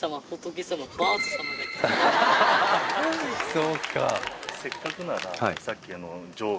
そうか。